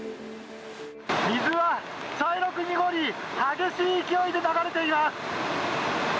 水は茶色く濁り激しい勢いで流れています。